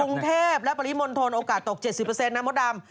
กรุงเทพและปริมณฑลโอกาสตก๗๐นะมดดำ